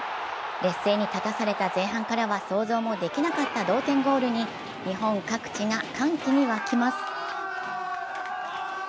劣勢に立たされた前半からは想像もできなかった同点ゴールに日本各地が歓喜に沸きます。